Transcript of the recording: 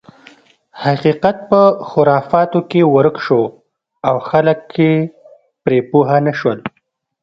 حقیقت په خرافاتو کې ورک شو او خلک یې پرې پوه نه شول.